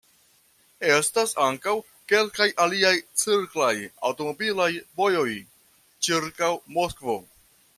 Estas ankaŭ kelkaj aliaj cirklaj aŭtomobilaj vojoj ĉirkaŭ Moskvo.